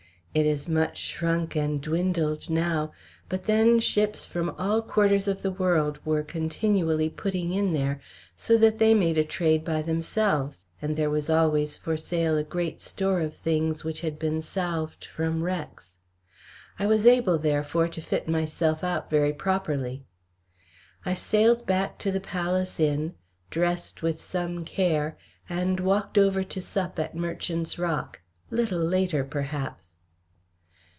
It is much shrunk and dwindled now, but then ships from all quarters of the world were continually putting in there, so that they made a trade by themselves, and there was always for sale a great store of things which had been salved from wrecks. I was able, therefore, to fit myself out very properly. I sailed back to the Palace Inn, dressed with some care, and walked over to sup at Merchant's Rock little later perhaps.